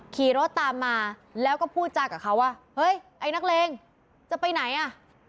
ขี่รถตามมาแล้วก็พูดจากับเขาว่าเฮ้ยไอ้นักเลงจะไปไหนอ่ะ